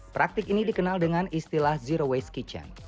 praktik ini dikenal dengan istilah zero waste kitchen